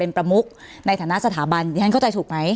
เป็นประมุกในฐานะสถาบันดิฉันเข้าใจถูกไหม